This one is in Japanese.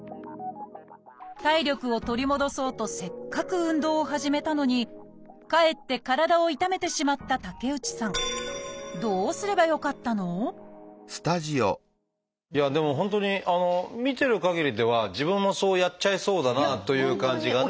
体力を取り戻そうとせっかく運動を始めたのにかえって体を痛めてしまった竹内さんでも本当に見てるかぎりでは自分もそうやっちゃいそうだなという感じがね。